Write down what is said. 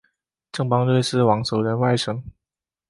郑邦瑞是王守仁外甥。